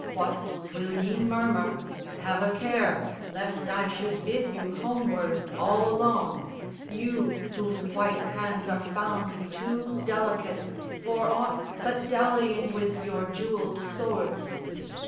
What, will ye murmur? Have a care, Lest I should bid you homeward all alone, You whose white hands are found too delicate For aught but dallying with your jewelled swords!